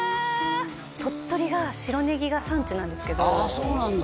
鳥取が白ねぎが産地なんですけどああそうなんだ